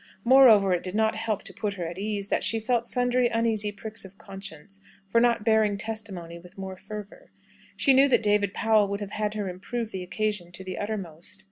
Moreover, it did not help to put her at her ease, that she felt sundry uneasy pricks of conscience for not "bearing testimony" with more fervour. She knew that David Powell would have had her improve the occasion to the uttermost.